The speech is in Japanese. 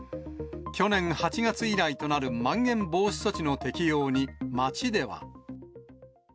去年８月以来となるまん延防止措置の適用に街では。